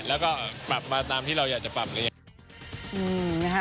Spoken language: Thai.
แล้วก็ปรับมาตามที่เราอยากจะปรับกันอย่างเงี้ย